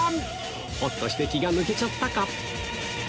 おっと指摘が抜けちゃったか？